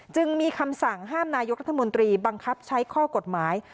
จึงมีคำสั่งห้ามนายกรัฐมนตรีบังคับใช้ข้อกฎหมาย